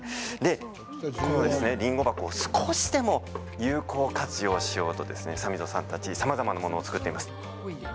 このりんご箱を少しでも有効活用しようと三溝さんたちさまざまなものを作っています。